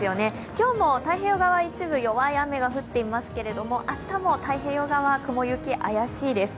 今日も太平洋側、一部、弱い雨が降っていますけれども、明日も太平洋側、雲行きが怪しいです。